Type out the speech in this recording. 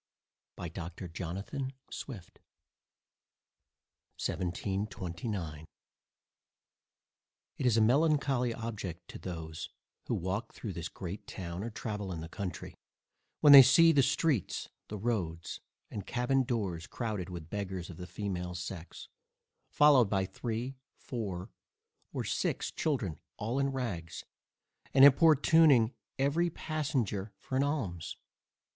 by Dr. Jonathan Swift 1729 It is a melancholy object to those, who walk through this great town, or travel in the country, when they see the streets, the roads, and cabbin doors crowded with beggars of the female sex, followed by three, four, or six children, all in rags, and importuning every passenger for an alms.